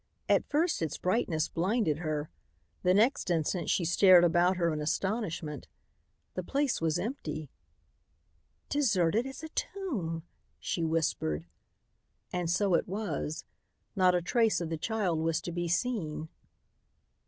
At first its brightness blinded her. The next instant she stared about her in astonishment. The place was empty. "Deserted as a tomb," she whispered. And so it was. Not a trace of the child was to be seen.